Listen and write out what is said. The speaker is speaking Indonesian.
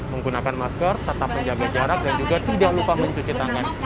menggunakan masker tetap menjaga jarak dan juga tidak lupa mencuci tangan